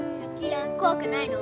怖くないの？